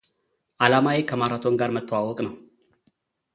ዓላማዬ ከማራቶን ጋር መተዋወቅ ነው።